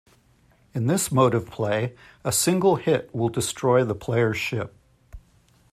In this mode of play, a single hit will destroy the player's ship.